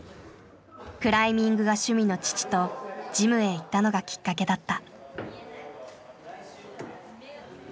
クライミングが趣味の父とジムへ行ったのがきっかけだった。